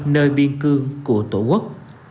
nơi biên cương của tổ quốc